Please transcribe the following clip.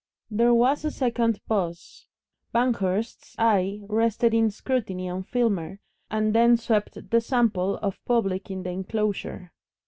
There was a second pause. Banghurst's eye rested in scrutiny on Filmer, and then swept the sample of public in the enclosure.